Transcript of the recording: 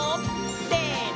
せの！